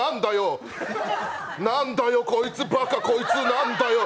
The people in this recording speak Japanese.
なんだよ、こいつ、バカ、こいつ、なんだよ。